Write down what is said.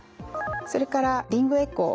それからリングエコー。